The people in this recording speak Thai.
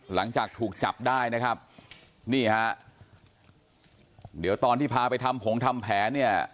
หลังจากถูกจับได้นะครับนี่ฮะเดี๋ยวตอนที่พาไปทำผงทำแผนเนี่ย